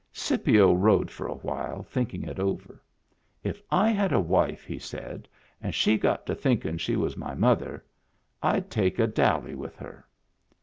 Scipio rode for a while, thinking it over. " If I had a wife," he said, " and she got to thinkin' she was my mother, I'd take a dally with her."